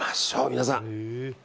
皆さん。